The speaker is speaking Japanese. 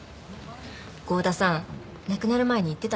郷田さん亡くなる前に言ってたんです。